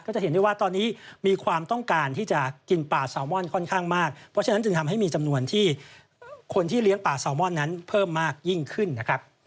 จะเห็นได้ว่าตอนนี้มีความต้องการที่จะกินปลาแซลมอนค่อนข้างมากเพราะฉะนั้นจึงทำให้มีจำนวนที่คนที่เลี้ยงปลาแซลมอนนั้นเพิ่มมากยิ่งขึ้นนะครับ